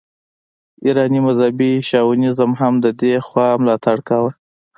ایراني مذهبي شاونیزم هم د دې خوا ملاتړ کاوه.